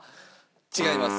違います。